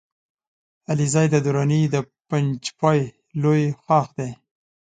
علیزی د دراني د پنجپای لوی ښاخ دی